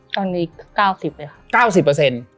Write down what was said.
ตอนนี้๙๐เปอร์เซ็นต์